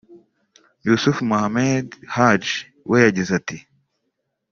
Yusuf Mohammed Haji we yagize ati